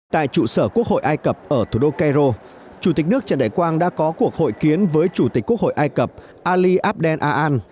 tại trụ sở quốc hội ai cập ở thủ đô cairo chủ tịch nước trần đại quang đã có cuộc hội kiến với chủ tịch quốc hội ai cập ali abdel aan